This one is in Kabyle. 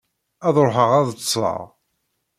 Ad ṛuḥeɣ ad ṭṭseɣ.